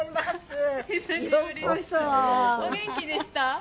お元気でした？